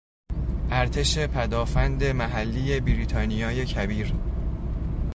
ارتش پدافند محلی بریتانیای کبیر